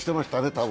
多分。